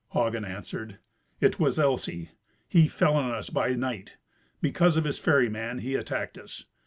Hagen answered, "It was Elsy. He fell on us by night. Because of his ferryman, he attacked us.